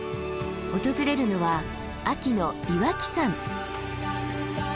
訪れるのは秋の岩木山。